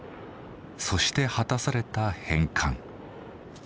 そして果たされた返還。